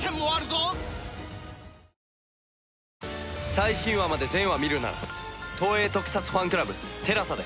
最新話まで全話見るなら東映特撮ファンクラブＴＥＬＡＳＡで。